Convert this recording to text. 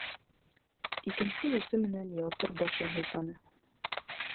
Икенсе усы менән ялтыр башын һыйпаны.